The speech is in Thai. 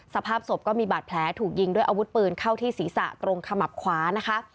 สภาพศพก็มีบาดแผลถูกยิงด้วยอาวุธปืนเข้าที่ศีรษะตรงขมับขวานะคะ